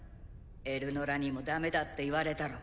エルノラにもダメだって言われたろ。